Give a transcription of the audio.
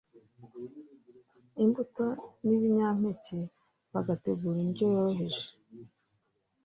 imbuto nibinyampeke bagategura indyo yoroheje